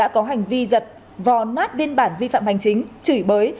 đã có hành vi giật vò nát biên bản vi phạm hành chính chửi bới